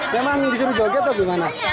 lomba yang disuruh joget atau gimana